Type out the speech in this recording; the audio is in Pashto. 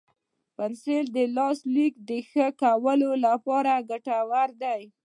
پنسل د لاسي لیک د ښه کولو لپاره ګټور دی.